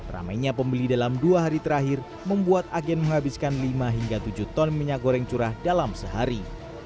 ramainya pembeli dalam dua hari terakhir membuat agen menghabiskan lima hingga tujuh ton minyak goreng curah dalam sehari